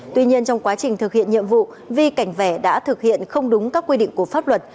tuy nhiên trong quá trình thực hiện nhiệm vụ vi cảnh vẻ đã thực hiện không đúng các quy định của pháp luật